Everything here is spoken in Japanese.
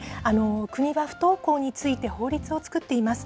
国は不登校について法律を作っています。